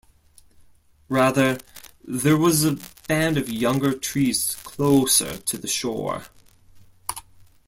Rather, there was a band of younger trees closer to the shore.